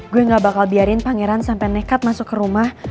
gue gak bakal biarin pangeran sampai nekat masuk ke rumah